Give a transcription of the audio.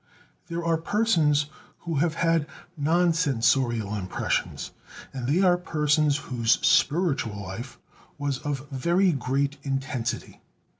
There are persons who have had non sensorial impressions, and they are persons whose spiritual life was of very great intensity.